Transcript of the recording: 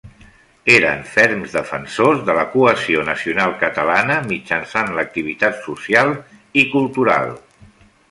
Eren ferms defensors de la cohesió nacional catalana mitjançant l'activitat social i cultural.